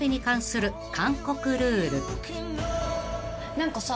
何かさ。